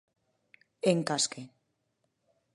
En cas que.